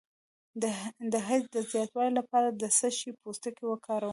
د حیض د زیاتوالي لپاره د څه شي پوستکی وکاروم؟